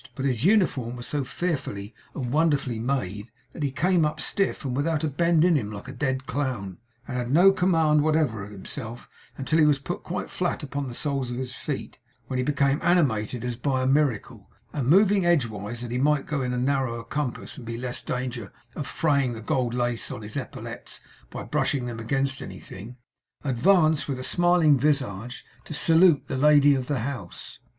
But his uniform was so fearfully and wonderfully made, that he came up stiff and without a bend in him like a dead Clown, and had no command whatever of himself until he was put quite flat upon the soles of his feet, when he became animated as by a miracle, and moving edgewise that he might go in a narrower compass and be in less danger of fraying the gold lace on his epaulettes by brushing them against anything, advanced with a smiling visage to salute the lady of the house.